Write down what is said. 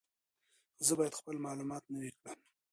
زه باید خپل معلومات نوي کړم.